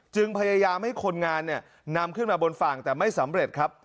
จึงพยายามให้คนงานเนี่ยนำขึ้นมาบนฝั่งแต่ไม่สำเร็จครับ